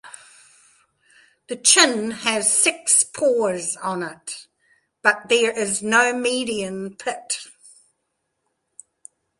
The chin has six pores on it but there is no median pit.